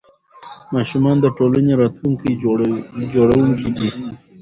ماشومان د ټولنې راتلونکي جوړوونکي دي.